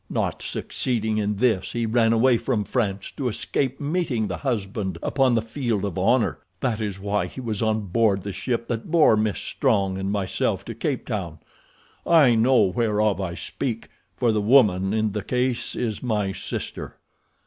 Not succeeding in this, he ran away from France to escape meeting the husband upon the field of honor. That is why he was on board the ship that bore Miss Strong and myself to Cape Town. I know whereof I speak, for the woman in the case is my sister.